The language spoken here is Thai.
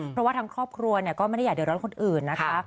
เพราะว่าทางครอบครัวก็ไม่ได้อยากเดือดร้อนคนอื่นนะคะ